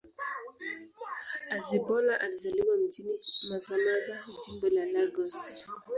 Ajibola alizaliwa mjini Mazamaza, Jimbo la Lagos.